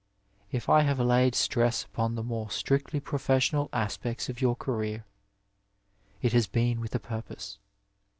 If I have laid stress upon the more strictly professional aspects of yotir career it has been with a purpose.